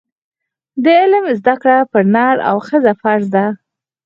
د علم زده کړه پر نر او ښځه فرض ده.